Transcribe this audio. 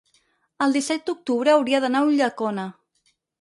el disset d'octubre hauria d'anar a Ulldecona.